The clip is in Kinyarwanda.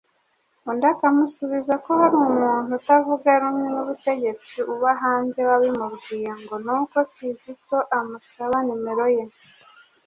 undi akamusubiza ko hari umuntu utavuga rumwe n'ubutegetsi uba hanze wabimubwiye, ngo nuko Kizito amusaba nimero ye.